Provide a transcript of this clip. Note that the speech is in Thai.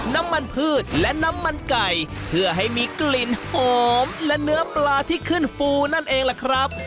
น้ำมันพืชและน้ำมันไก่เพื่อให้มีกลิ่นหอมและเนื้อปลาที่ขึ้นฟูนั่นเองล่ะครับ